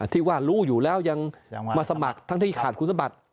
ที่ว่ารู้อยู่แล้วยังมาสมัครทั้งที่ขาดคุณสมบัติ